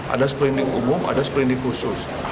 ada sprindik umum ada sprindik khusus